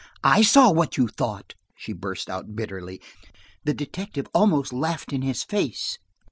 "I saw what you thought," she burst out bitterly. "The detective almost laughed in his face.